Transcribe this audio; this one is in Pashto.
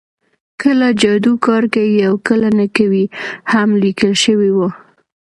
کله جادو کار کوي او کله نه کوي هم لیکل شوي وو